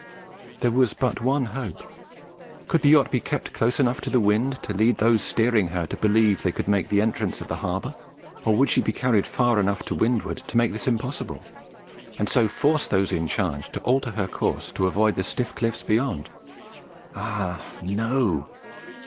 There was but one hope could the yacht be kept close enough to the wind to lead those steering her to believe they could make the entrance of the harbour? or would she be carried far enough to windward to make this impossible, and so force those in charge to alter her course to avoid the stiff cliffs beyond? Ah, no!